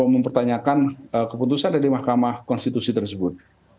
mempertanyakan keputusan dari mahkamah konstitusi tersebut